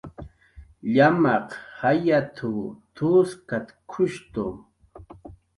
"Llamaq jayat""w t""uskatkushtu"